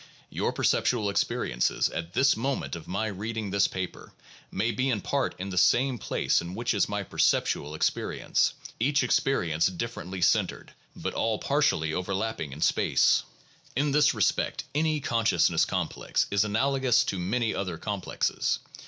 Your perceptual experiences at this moment of my reading this paper may be in part in the same place in which is my perceptual experience, each experience differently centered, but all partially overlapping in space. In this respect any consciousness complex is analogous to many other complexes.